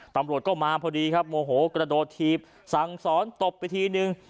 ตำรวจก็มาพอดีครับโมโหกระโดดถีบสั่งสอนตบไปทีนึง